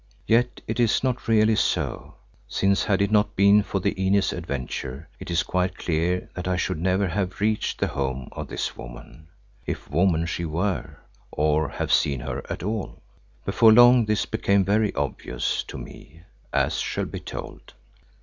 Yet it is not really so, since had it not been for the Inez adventure, it is quite clear that I should never have reached the home of this woman, if woman she were, or have seen her at all. Before long this became very obvious to me, as shall be told.